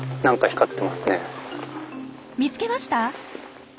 見つけました？